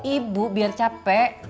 ibu biar capek